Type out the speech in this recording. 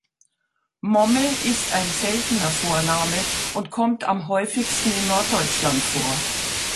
Momme ist ein seltener Vorname und kommt am häufigsten in Norddeutschland vor.